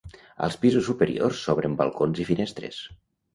Als pisos superiors s'obren balcons i finestres.